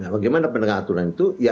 bagaimana penegakan hukum